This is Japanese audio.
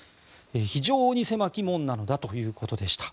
非常に狭き門なのだということでした。